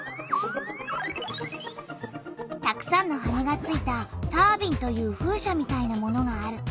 たくさんの羽がついた「タービン」という風車みたいなものがある。